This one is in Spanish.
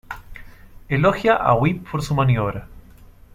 Elogia a Whip por su maniobra.